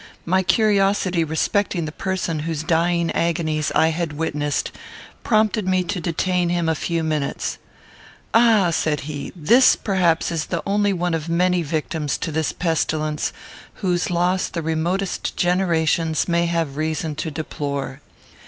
My curiosity respecting the person whose dying agonies I had witnessed prompted me to detain him a few minutes. "Ah!" said he, "this, perhaps, is the only one of many victims to this pestilence whose loss the remotest generations may have reason to deplore.